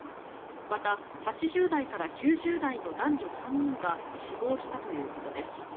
また、８０代から９０代の男女３人が死亡したということです。